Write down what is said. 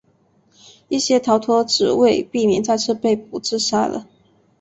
一些逃脱者为避免再次被俘自杀了。